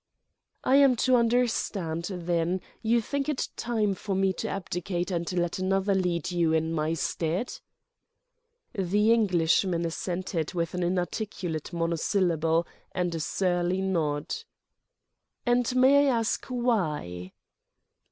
"I am to understand, then, you think it time for me to abdicate and let another lead you in my stead?" The Englishman assented with an inarticulate monosyllable and a surly nod. "And may one ask why?"